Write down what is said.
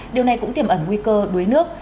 điều này cũng tiềm ẩn nguy cơ đuối nước